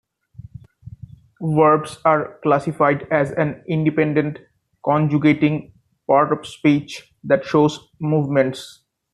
Verbs are classified as an independent, conjugating part of speech that shows movements.